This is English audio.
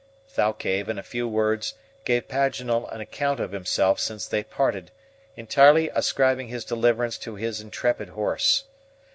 Thalcave, in a few words, gave Paganel an account of himself since they parted, entirely ascribing his deliverance to his intrepid horse.